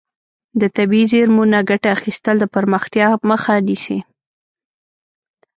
د طبیعي زیرمو نه ګټه اخیستل د پرمختیا مخه نیسي.